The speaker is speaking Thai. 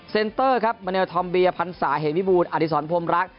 เซนเตอร์ครับมะเนวธอมเบียพันษาเหตุวิบูรณ์อธิษฐรพรมรัก